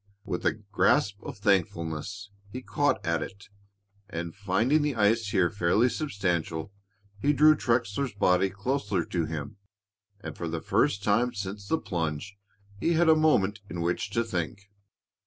With a grasp of thankfulness, he caught at it, finding the ice here fairly substantial. He drew Trexler's body closer to him, and for the first time since the plunge he had a moment in which to think.